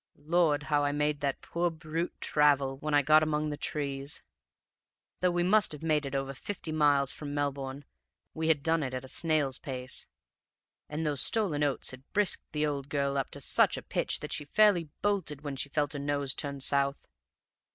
Lord, how I made that poor brute travel when I got among the trees! Though we must have made it over fifty miles from Melbourne, we had done it at a snail's pace; and those stolen oats had brisked the old girl up to such a pitch that she fairly bolted when she felt her nose turned south.